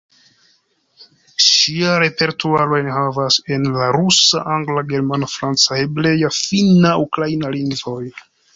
Ŝia repertuaro enhavas en la rusa, angla, germana, franca, hebrea, finna, ukraina lingvoj.